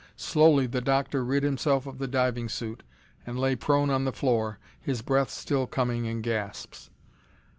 Slowly the Doctor rid himself of the diving suit and lay prone on the floor, his breath still coming in gasps.